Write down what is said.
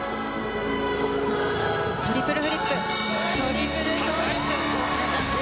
トリプルフリップトリプルトゥループ。